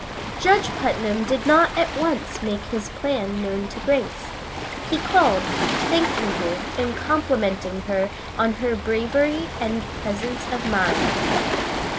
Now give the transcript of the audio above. Judge Putnam did not at once make his plan known to Grace. He called, thanking her and complimenting her on her bravery and presence of mind.